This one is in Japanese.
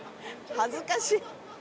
恥ずかしい。